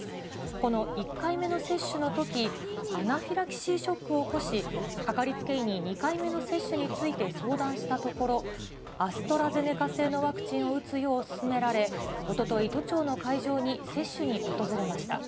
この１回目の接種のとき、アナフィラキシーショックを起こし、かかりつけ医に２回目の接種について相談したところ、アストラゼネカ製のワクチンを打つよう勧められ、おととい、都庁の会場に接種に訪れました。